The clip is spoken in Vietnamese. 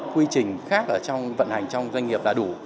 quy trình khác ở trong vận hành trong doanh nghiệp là đủ